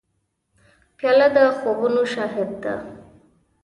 پیاله د خوبونو شاهد ده.